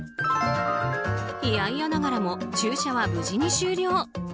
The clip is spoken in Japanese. いやいやながらも注射は無事に終了。